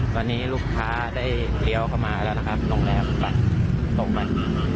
ตอนนี้ลูกค้าได้เลี้ยวเข้ามาแล้วนะครับโรงแรมตรงมัน